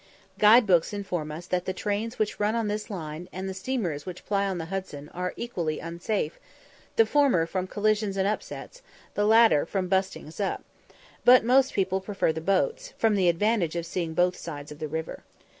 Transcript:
Guide books inform us that the trains which run on this line, and the steamers which ply on the Hudson, are equally unsafe, the former from collisions and "upsets," the latter from "bustings up;" but most people prefer the boats, from the advantage of seeing both sides of the river.